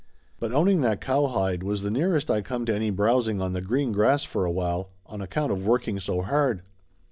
But owning that cowhide was the nearest I come to any browsing on the green grass for a while, on account of working so hard.